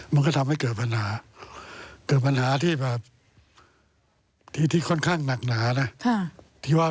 มันก็ทำให้เกิดปัญหาเกิดปัญหาที่แบบที่ค่อนข้างหนักหนานะ